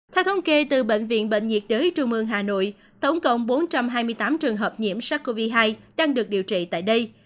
theo thống kê từ bệnh viện bệnh nhiệt đới trung ương hà nội tổng cộng bốn trăm hai mươi tám trường hợp nhiễm sars cov hai đang được điều trị tại đây